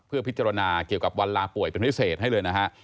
เพื่อพิจารณาเกี่ยวกับวันลาป่วยเป็นพิเศษให้เลยนะฮะ